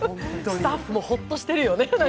スタッフもホッとしてるよね。